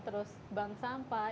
terus bank sampah